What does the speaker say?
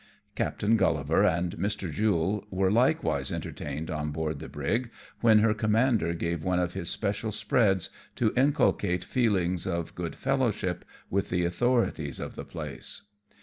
Captain GfuUivar and Mr. Jule were likewise enter tained on board the brig, when her commander gave one of his special spreads, to inculcate feelings of good fellowship with the authorities of the place.